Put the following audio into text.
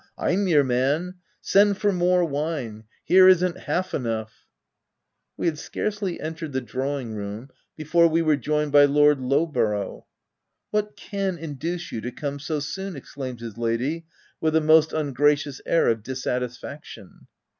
u Vm your man ! Send for more wine : here isn't half enough V s We had scarcely entered the drawing room before we were joined by Lord Lowborough. C( What can induce you to come so soon ?" exclaimed his lady, with a most ungracious air of dissatisfaction.